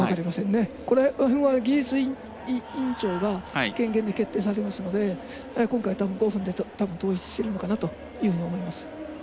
この辺は技術委員長の権限で決められますので今回、たぶん５分で統一しているのかなと思います。